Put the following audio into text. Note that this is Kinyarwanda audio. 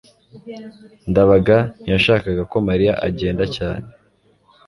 ndabaga ntiyashakaga ko mariya agenda cyane